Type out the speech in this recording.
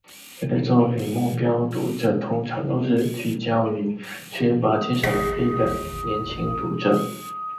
这类作品目标读者通常都是聚焦于缺乏鉴赏能力的年轻读者。